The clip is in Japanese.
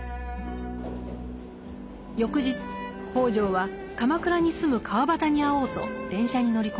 翌日北條は鎌倉に住む川端に会おうと電車に乗り込みます。